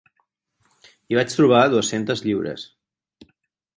Hi vaig trobar dues-centes lliures.